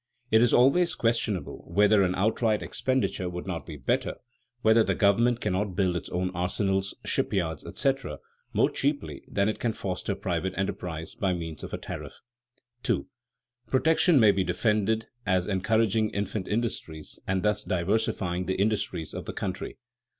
It is always questionable whether an outright expenditure would not be better, whether the government cannot build its own arsenals, ship yards, etc., more cheaply than it can foster private enterprise by means of a tariff. [Sidenote: The infant industry argument] [Sidenote: Applied to America] 2. _Protection may be defended as encouraging infant industries and thus diversifying the industries of the country.